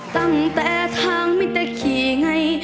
ตั้งแต่ทางไม่ได้ขี้ไง